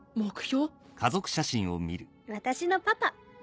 私のパパ。